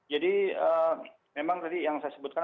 jadi memang tadi yang saya sebutkan